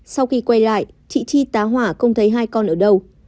sau khi quay lại chị chi tá hỏa không thấy hai con ở đâu